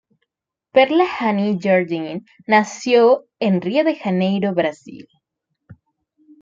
Perla Haney-Jardine nació en Río de Janeiro, Brasil.